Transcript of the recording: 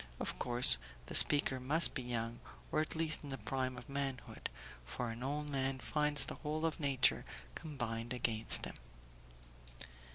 Of course the speaker must be young, or at least in the prime of manhood; for an old man finds the whole of nature combined against him.